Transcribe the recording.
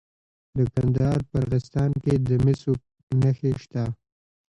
د کندهار په ارغستان کې د مسو نښې شته.